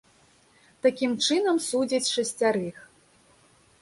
Такім чынам, судзяць шасцярых.